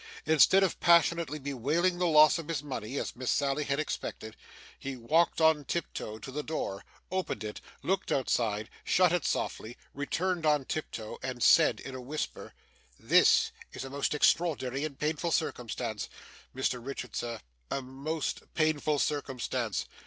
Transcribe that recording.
Instead of passionately bewailing the loss of his money, as Miss Sally had expected, he walked on tiptoe to the door, opened it, looked outside, shut it softly, returned on tiptoe, and said in a whisper, 'This is a most extraordinary and painful circumstance Mr Richard, sir, a most painful circumstance.